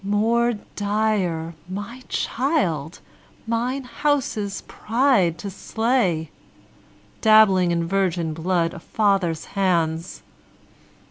More dire, my child, mine house's pride, to slay, Dabbling in virgin blood a father's hands.